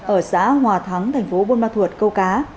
ở xã hòa thắng thành phố bôn ba thuột câu cá